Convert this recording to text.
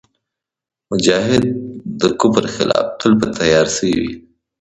مجاهد د کفر خلاف تل په تیارسئ وي.